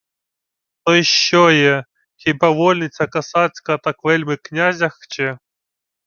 — То й що є? Хіба вольниця косацька так вельми князя хче?